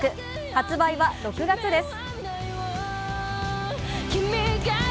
発売は６月です。